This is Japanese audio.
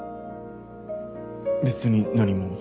別に何も。